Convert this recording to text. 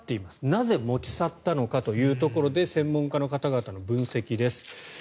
なぜ持ち去ったのかというところで専門家の方々の分析です。